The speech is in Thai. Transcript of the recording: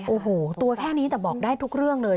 โอ้โหตัวแค่นี้แต่บอกได้ทุกเรื่องเลย